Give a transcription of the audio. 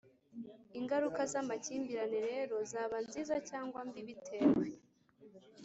Ingaruka z amakimbirane rero zaba nziza cyangwa mbi bitewe